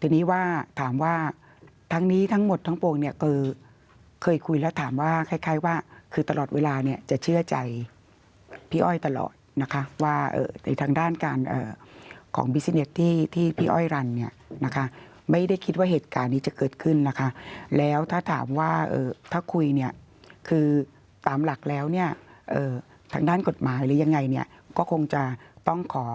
ทีนี้ว่าถามว่าทั้งนี้ทั้งหมดทั้งปวงเนี่ยคือเคยคุยแล้วถามว่าคล้ายว่าคือตลอดเวลาเนี่ยจะเชื่อใจพี่อ้อยตลอดนะคะว่าในทางด้านการของบิซิเน็ตที่พี่อ้อยรันเนี่ยนะคะไม่ได้คิดว่าเหตุการณ์นี้จะเกิดขึ้นนะคะแล้วถ้าถามว่าถ้าคุยเนี่ยคือตามหลักแล้วเนี่ยทางด้านกฎหมายหรือยังไงเนี่ยก็คงจะต้องขอ